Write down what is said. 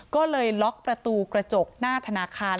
ก็เลยล็อกประตูกระจกหน้าธนาคาร